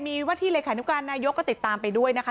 มีวัตถีหรือแขนการนายกก็ติดตามไปด้วยนะคะ